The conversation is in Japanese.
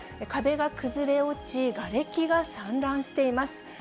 壁が崩れ落ち、がれきが散乱しています。